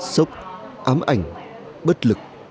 sốc ám ảnh bất lực